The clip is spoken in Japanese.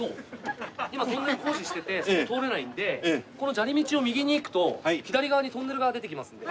今トンネル工事しててそこ通れないのでこの砂利道を右に行くと左側にトンネルが出てきますので。